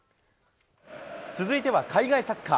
続いては海外サッカー。